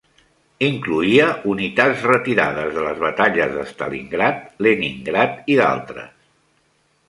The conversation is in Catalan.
Incloïa unitats retirades de les batalles de Stalingrad, Leningrad i d'altres.